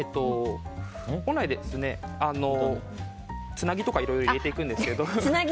本来、つなぎとか入れていくんですけど。